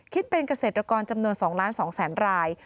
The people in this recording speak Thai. คิดเป็นเกษตรกรจำนวน๒๒๐๐๐ราย